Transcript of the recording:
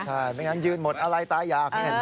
ใช่ไม่งั้นยืนหมดอะไรตาอยากเห็น